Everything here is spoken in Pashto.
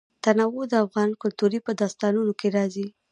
تنوع د افغان کلتور په داستانونو کې راځي.